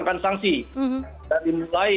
kena sanksi kita dimulai